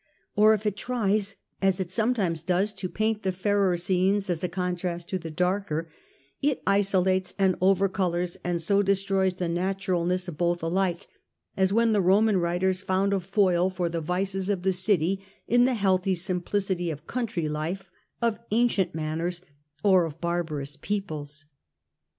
Or if it tries, as it sometimes does, to paint the fairer scenes as a contrast to the darker, it isolates and overcolours, and so destroys the naturalness of both alike, as when the Roman writers found a foil for the vices of the city in the healthy simplicity of country life, of ancient manners or of bar barous peoples.